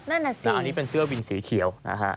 อันนี้เป็นเสื้อวินสีเขียว